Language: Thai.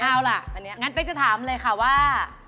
เอาล่ะงั้นเป๊กจะถามเลยค่ะว่า